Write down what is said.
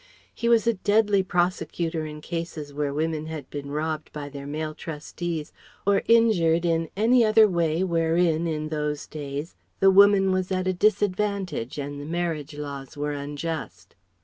He was a deadly prosecutor in cases where women had been robbed by their male trustees, or injured in any other way wherein, in those days, the woman was at a disadvantage and the marriage laws were unjust.